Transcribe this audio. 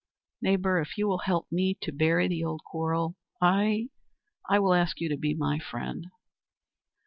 Neighbour, if you will help me to bury the old quarrel I—I will ask you to be my friend."